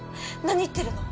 何言ってるの？